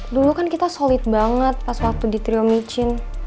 dulu kan kita solid banget pas waktu di triomicin